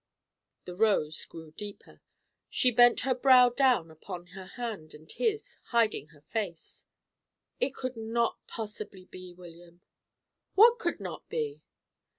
The rose grew deeper. She bent her brow down upon her hand and his, hiding her face. "It could not possibly be, William." "What could not be?"